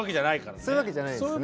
そういうわけじゃないんですね。